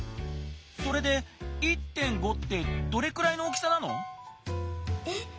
それで「１．５」ってどれくらいの大きさなの？え？